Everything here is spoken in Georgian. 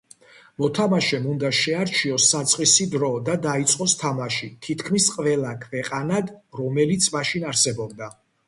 მოთამაშემ უნდა შეარჩიოს საწყისი დრო და დაიწყოს თამაში თითქმის ყველა ქვეყანად რომელიც მაშინ არსებობდა.